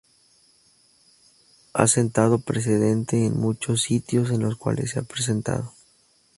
Ha sentado precedente en muchos sitios en los cuales se ha presentado.